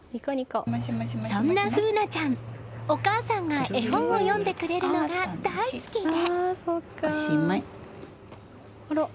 そんな楓奈ちゃん、お母さんが絵本を読んでくれるのが大好きで。